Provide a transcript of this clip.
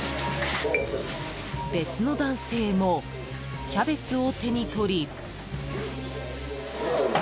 別の男性もキャベツを手に取り。